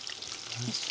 よいしょ。